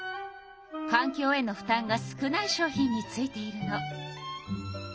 かんきょうへの負たんが少ない商品についているの。